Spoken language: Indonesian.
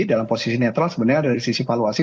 dalam posisi netral sebenarnya dari sisi valuasi